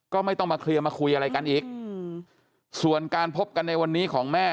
ก็ไม่ต้องมาเคลียร์มาคุยอะไรกันอีกส่วนการพบกันในวันนี้ของแม่